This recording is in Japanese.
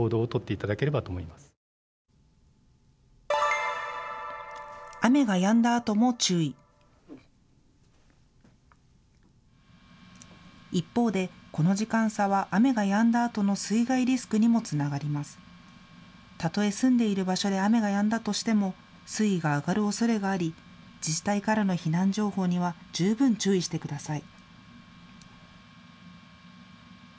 たとえ住んでいる場所で雨がやんだとしても水位が上がるおそれがあり自治体からの避難情報には十分、注意してください。